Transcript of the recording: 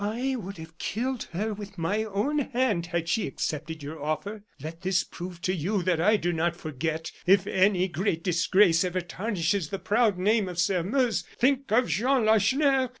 "I would have killed her with my own hand had she accepted your offer. Let this prove to you that I do not forget. If any great disgrace ever tarnishes the proud name of Sairmeuse, think of Jean Lacheneur.